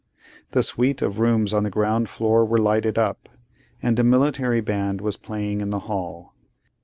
The suite of rooms on the ground floor were lighted up, and a military band was playing in the hall.